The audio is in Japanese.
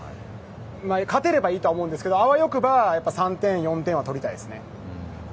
勝てればいいとは思うんですがあわよくば３点、４点はとりたいですね。